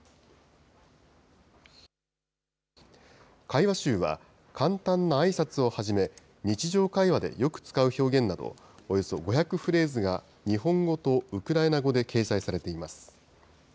会話集は、簡単なあいさつをはじめ、日常会話でよく使う表現など、およそ５００フレーズが日本語とウクライナ語で掲載されています。